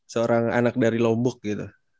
seorang anak dari lombok gitu